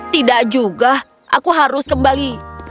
tidak juga aku harus kembali